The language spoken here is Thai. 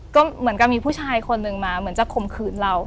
ก็เหมือนกับมีผู้ชายคนนึงมาเหมือนจะข่มขืนเรา